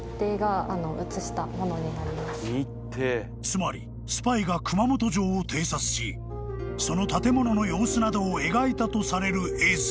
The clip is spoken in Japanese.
［つまりスパイが熊本城を偵察しその建物の様子などを描いたとされる絵図］